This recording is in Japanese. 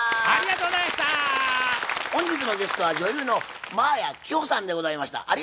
本日のゲストは女優の真彩希帆さんでございました。